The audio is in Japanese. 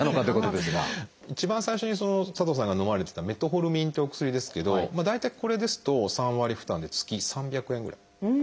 一番最初に佐藤さんがのまれてたメトホルミンってお薬ですけど大体これですと３割負担で月３００円ぐらい。